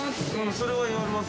それは言われます。